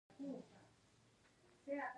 افغانستان له بېلابېلو او بډایه کلیو څخه ډک دی.